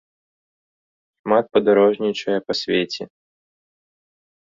Шмат падарожнічае па свеце.